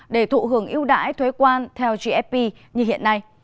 để thụ hưởng yêu đãi thuế quan theo gfp như hiện nay